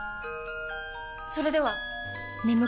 それでは！